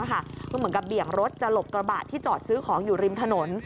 ก็เหมือนกับเบี่ยงรถจะหลบกระบะที่จอดซื้อของอยู่ริมถนน